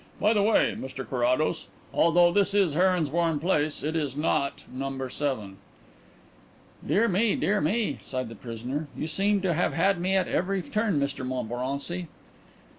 By the way, Mr Carrados, although this is Heronsbourne Place it is not No. 7." "Dear, dear me," sighed the prisoner. "You seem to have had me at every turn, Mr Montmorency."